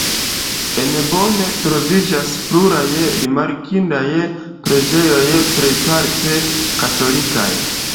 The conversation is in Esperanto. En Bonn troviĝas pluraj rimarkindaj preĝejoj, plejparte katolikaj.